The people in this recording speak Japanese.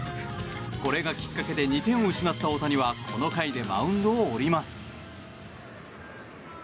これがきっかけで２点を失った大谷はこの回でマウンドを降ります。